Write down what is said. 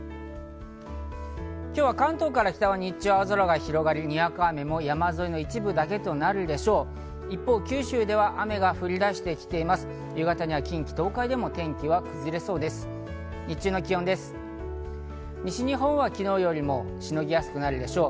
今日は関東から北は日中、青空が広がり、にわか雨も山沿いの一部となるでしょう。